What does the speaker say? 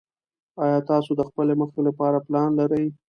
ایا تاسو د خپلې موخې لپاره پلان لرئ؟